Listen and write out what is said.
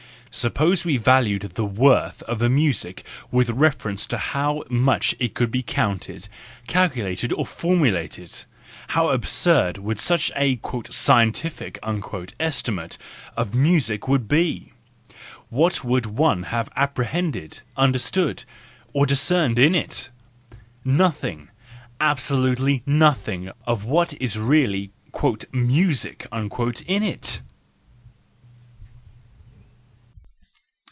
Supposing w valued the worth of a music with reference to ho' much it could be counted, calculated, or formulate —how absurd such a " scientific " estimate of mus would be! What would one have apprehend© understood, or discerned in it! Nothing, absolute! nothing of what is really " music " in it!